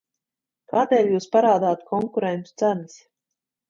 Kādēļ jūs parādāt konkurentu cenas?